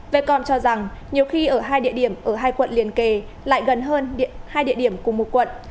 vecom cho rằng nhiều khi ở hai địa điểm ở hai quận liền kề lại gần hơn hai địa điểm cùng một quận